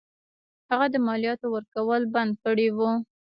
هغه د مالیاتو ورکول بند کړي وه.